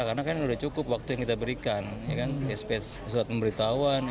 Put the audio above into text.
karena sudah cukup waktu yang kita berikan